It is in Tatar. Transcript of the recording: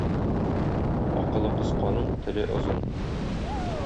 Акылы кысканың теле озын.